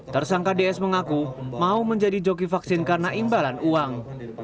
tersangka ds mengaku mau menjadi joki vaksin karena imbalan uang